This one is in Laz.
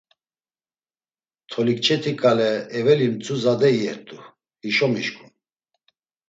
Tolikçeti ǩale eveli mtzu zade iyert̆u, hişo mişǩun.